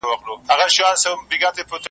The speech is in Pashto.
نور د سوال لپاره نه ځو په اسمان اعتبار نسته .